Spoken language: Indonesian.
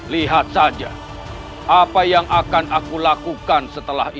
lihat saja apa yang akan aku lakukan setelah itu